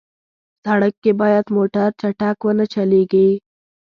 سړک کې باید موټر چټک ونه چلېږي.